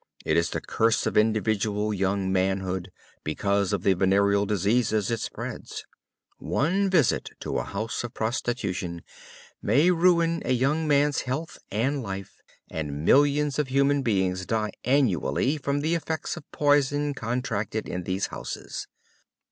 It is the curse of individual young manhood because of the venereal diseases it spreads. One visit to a house of prostitution may ruin a young man's health and life, and millions of human beings die annually from the effects of poison contracted in these houses.